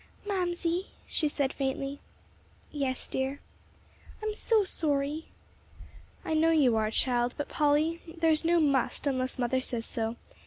"Mamsie," she said faintly. "Yes, dear." "I'm so sorry." "I know you are, child; but, Polly, there is no 'must' unless mother says so.